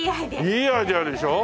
いいアイデアでしょ？